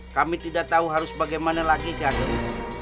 kami tidak tahu harus bagaimana lagi gagal